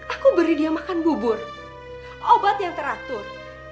aku beri dia makan bubur obat yang teratur